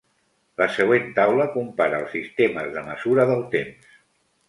La següent taula compara els sistemes de mesura del temps.